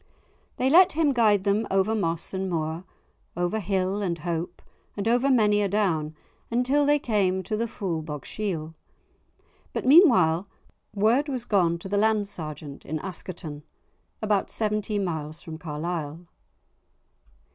They let him guide them over moss and moor, over hill and hope, and over many a down, until they came to the Foulbogshiel. But meanwhile word was gone to the Land Sergeant, in Askerton, about seventeen miles from Carlisle.